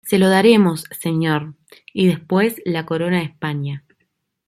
se lo daremos, señor... y después la corona de España.